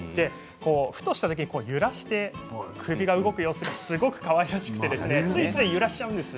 ふとしたときに揺らして首が動く様子がすごくかわいらしくてついつい揺らしちゃうんです。